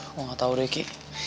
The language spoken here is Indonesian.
gue gak tau deh ki